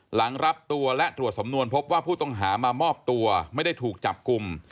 หลังรับตัวและตรวจสำนวนพบว่าผู้ต้องหามามอบตัวไม่ได้ถูกจับกลุ่ม